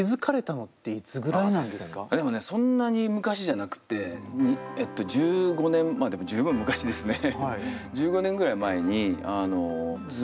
そんなに昔じゃなくて１５年でも十分昔ですね。